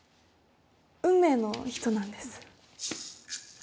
運命の人なんです。